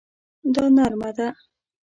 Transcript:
دا نرمه ده